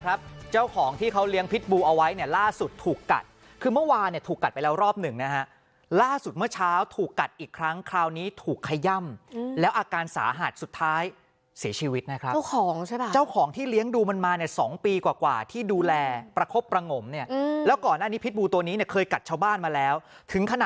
เจ้าของที่เขาเลี้ยงพิษบูเอาไว้เนี่ยล่าสุดถูกกัดคือเมื่อวานเนี่ยถูกกัดไปแล้วรอบหนึ่งนะฮะล่าสุดเมื่อเช้าถูกกัดอีกครั้งคราวนี้ถูกขย่ำแล้วอาการสาหัสสุดท้ายเสียชีวิตนะครับเจ้าของใช่ป่ะเจ้าของที่เลี้ยงดูมันมาเนี่ย๒ปีกว่าที่ดูแลประคบประงมเนี่ยแล้วก่อนหน้านี้พิษบูตัวนี้เนี่ยเคยกัดชาวบ้านมาแล้วถึงขนาด